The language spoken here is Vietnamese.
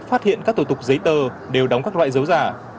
phát hiện các thủ tục giấy tờ đều đóng các loại dấu giả